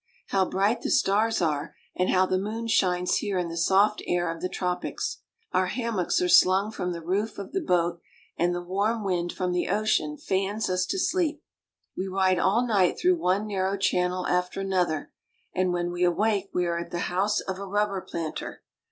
How bright the stars are, and how the moon shines here in the soft air of the tropics! Our hammocks are slung from the roof of the boat, and the warm wind from the ocean fans us to sleep. We ride all night through one narrow channel after an other, and when we awake we are at the house of a rub ber planter.